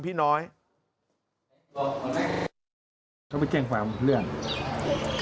เหมือนว่าให้เรากิบเงินให้เขาแต่ที่จริงเขาไม่ได้บอก